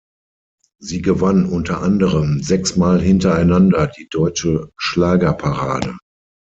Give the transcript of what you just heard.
Sie gewann unter anderem sechs Mal hintereinander die "Deutsche Schlagerparade".